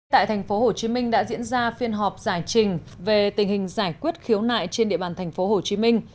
tại tp hcm đã diễn ra phiên họp giải trình về tình hình giải quyết khiếu nại trên địa bàn tp hcm